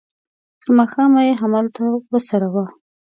تر ماښامه یې همالته وڅروه.